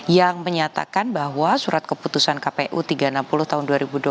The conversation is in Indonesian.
yang menyatakan bahwa surat keputusan kpu tiga ratus enam puluh tahun dua ribu dua puluh